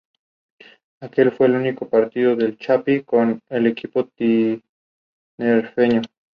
Durante su vida colaboró con muchas organizaciones de lucha contra el sida.